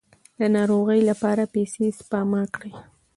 د ناروغۍ لپاره پیسې سپما کړئ.